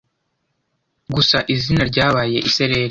gusa izina ryabaye isereri